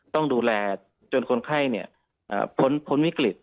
ต้องดูแลที่จะเหลือจนคนไข้เนี่ยฝนมิกฤตค่ะ